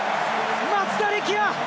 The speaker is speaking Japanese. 松田力也！